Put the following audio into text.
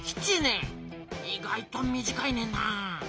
意外と短いねんな。